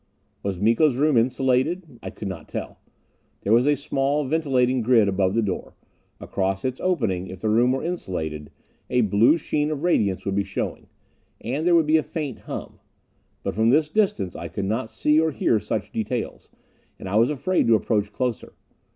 Was Miko's room insulated? I could not tell. There was a small ventilating grid above the door. Across its opening, if the room were insulated, a blue sheen of radiance would be showing. And there would be a faint hum. But from this distance I could not see or hear such details, and I was afraid to approach closer.